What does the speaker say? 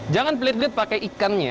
jangan pelit pelit pakai ikannya